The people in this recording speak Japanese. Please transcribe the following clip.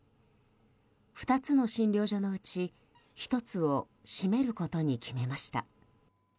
２つの診療所のうち１つを閉めることに決めました。